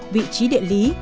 vị trí địa lý